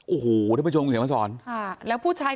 โอ้โหได้ประจงหลุมเสียงผ่านสอน